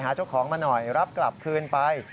เจ้าของมาหน่อยรับกลับคืนไป